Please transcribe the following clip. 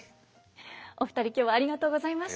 お二人今日はありがとうございました。